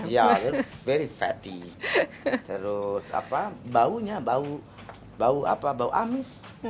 ya sangat lembut terus baunya bau amis